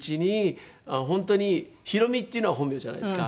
本当に「ひろみ」っていうのは本名じゃないですか。